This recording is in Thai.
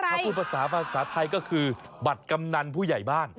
ถ้าพูดภาษาภาษาไทยก็คือบัตรกำนันผู้ใหญ่บ้าน